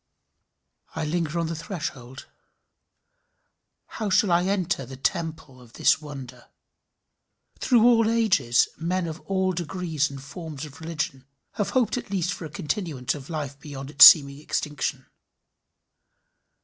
I linger on the threshold. How shall I enter the temple of this wonder? Through all ages men of all degrees and forms of religion have hoped at least for a continuance of life beyond its seeming extinction.